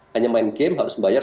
hanya main game harus membayar